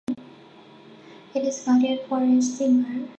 It is valued for its timber.